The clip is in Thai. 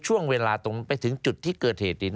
ช่วงเวลาตรงไปถึงจุดที่เกิดเหตุ